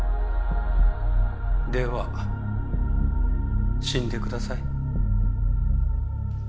では死んでください。